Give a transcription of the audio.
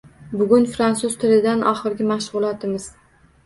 Bugun fransuz tilidan oxirgi mashg`ulotimiz